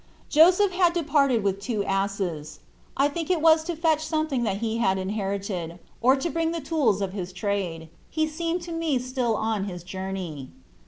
Joseph had departed with two asses. I think it was to fetch something that he had inherited, or to bring the tools of his trade. He seemed to me still on his journey.